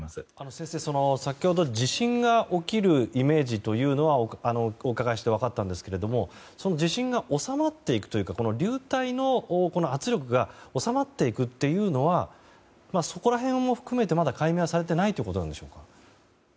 先生、先ほど地震が起きるイメージというのはお伺いして分かったんですが地震が収まっていくというか流体の圧力が収まっていくというのはそこら辺も含めてまだ解明されていないということでしょうか？